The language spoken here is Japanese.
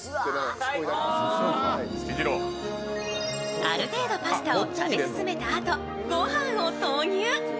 ある程度、パスタを食べ進めたあと、ご飯を投入。